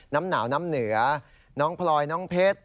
น้ำหนาวน้ำเหนือน้องพลอยน้องเพชร